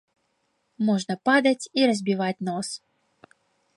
Можна падаць і разбіваць нос.